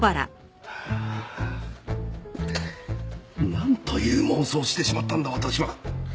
なんという妄想をしてしまったんだ私は！